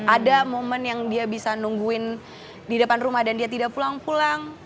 ada momen yang dia bisa nungguin di depan rumah dan dia tidak pulang pulang